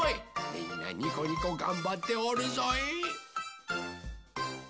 みんなにこにこがんばっておるぞい！